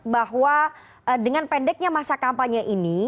bahwa dengan pendeknya masa kampanye ini